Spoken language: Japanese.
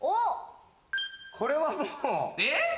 これはもう。